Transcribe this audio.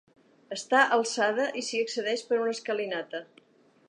Està alçada i s'hi accedeix per una escalinata.